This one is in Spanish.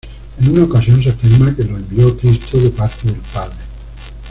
En una ocasión se afirma que lo envió Cristo de parte del Padre.